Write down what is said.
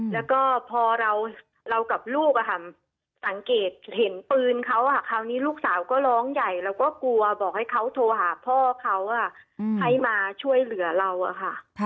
แล้วก็พอเรากับลูกสังเกตเห็นปืนเขาคราวนี้ลูกสาวก็ร้องใหญ่เราก็กลัวบอกให้เขาโทรหาพ่อเขาให้มาช่วยเหลือเราอะค่ะ